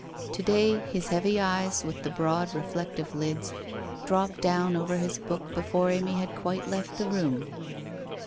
To day, his heavy eyes, with the broad reflective lids, dropped down over his book before Amy had quite left the room.